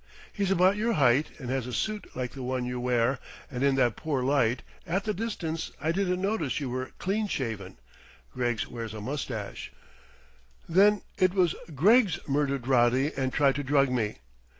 He's about your height and has a suit like the one you wear, and in that poor light at the distance I didn't notice you were clean shaven Greggs wears a moustache " "Then it was Greggs murdered Roddy and tried to drug me!